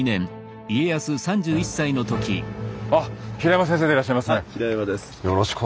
あっ平山先生でいらっしゃいますね。